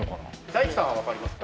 大地さんはわかりますか？